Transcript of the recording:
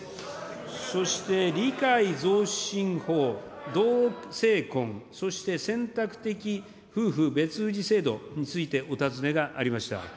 そして、理解増進法、同性婚、そして選択的夫婦別氏制度についてお尋ねがありました。